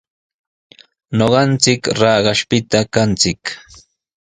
Ñuqanchik Raqashpita kanchik.